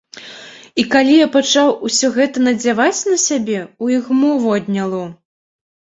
І калі я пачаў усё гэтае надзяваць на сябе, у іх мову адняло.